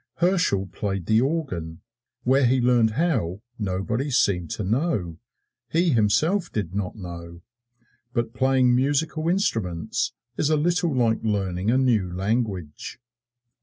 Herschel played the organ: where he learned how nobody seemed to know he himself did not know. But playing musical instruments is a little like learning a new language.